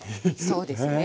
そうですね。